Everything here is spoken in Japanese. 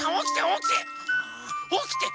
おきて！